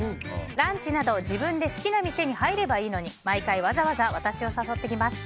ランチなど自分で好きな店に入ればいいのに毎回、わざわざ私を誘ってきます。